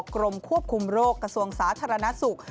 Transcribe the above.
กรมควบคุมโรคกระทรวงสาธารณสุข